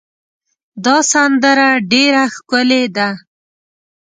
دا سندره ډېره ښکلې ده.